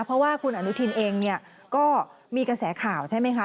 เพราะว่าคุณอนุทินเองเนี่ยก็มีกระแสข่าวใช่ไหมคะ